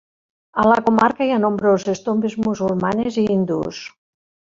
A la comarca hi ha nombroses tombes musulmanes i hindús.